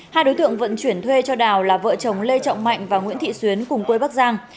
hai đối tượng vận chuyển thuê cho đào là vợ chồng lê trọng mạnh và nguyễn thị xuyến cùng quê bắc giang